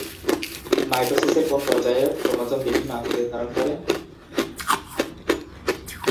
মাইটোসিসের কোন পর্যায়ে ক্রোমোজোম বিভিন্ন আকৃতি ধারণ করে?